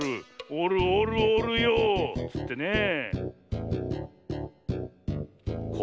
おるおるおるよっつってねえ。